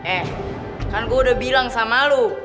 eh kan gua udah bilang sama lu